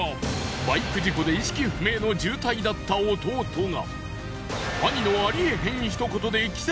バイク事故で意識不明の重体だった弟が。